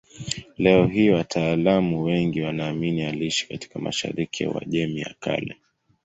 Leo hii wataalamu wengi wanaamini aliishi katika mashariki ya Uajemi ya Kale.